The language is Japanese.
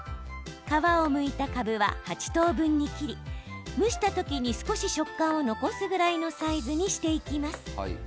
皮をむいた、かぶは８等分に切り蒸した時に少し食感を残すぐらいのサイズにしていきます。